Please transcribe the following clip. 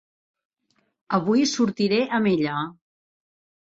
Avui sortiré amb ella.